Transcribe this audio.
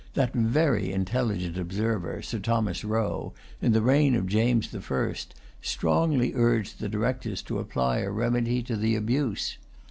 That very intelligent observer, Sir Thomas Roe, in the reign of James the First, strongly urged the Directors to apply a remedy to the abuse.